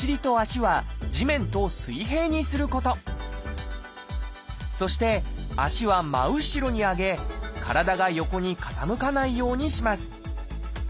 まずそして脚は真後ろに上げ体が横に傾かないようにします。